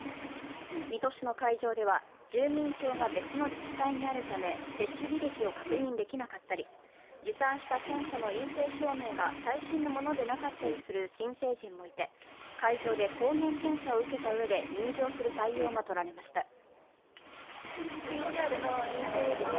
水戸市の会場では住民票が別の自治体にあるため接種履歴を確認できなかったり持参した検査の陰性証明が最新のものでなかったりする新成人もいて、会場で抗原検査を受けたうえで入場する対応がとられました。